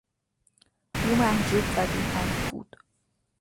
او محجوب و بی حرف بود.